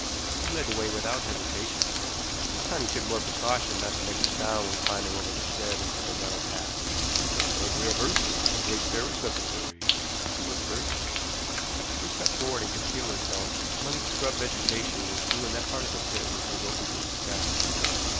He led the way without hesitation. This time he took more precaution not to make a sound when climbing over the shed into the narrow path. "I think we are first, but great care is necessary," he whispered. We crept forward and concealed ourselves among the scrub vegetation which grew in that part of the pit which was open to the sky.